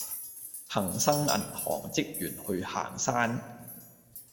恆生銀行職員去行山